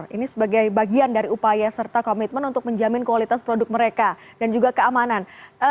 ini sebagai bagian dari upaya serta komitmen untuk menjamin kualitas produk mereka dan juga keamanan